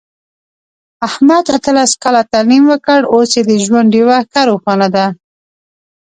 احمد اتلس کاله تعلیم وکړ، اوس یې د ژوند ډېوه ښه روښانه ده.